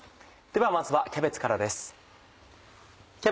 ではまずはキャベツからです。